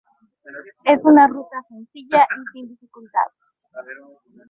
Es una ruta sencilla y sin dificultad.